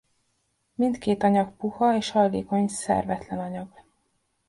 Mind két anyag puha és hajlékony szervetlen anyag.